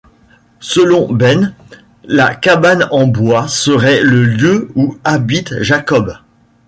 Selon Ben, la cabane en bois serait le lieu où habite Jacob.